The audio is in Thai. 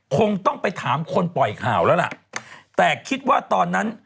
คงต้องไปถามคนปล่อยข่าวแล้วล่ะแต่คิดว่าตอนนั้น